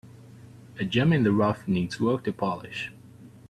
A gem in the rough needs work to polish.